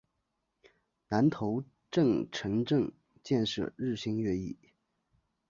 南头镇城镇建设日新月异。